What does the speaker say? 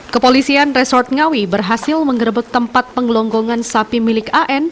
kepolisian resort ngawi berhasil mengerebek tempat penggelonggongan sapi milik an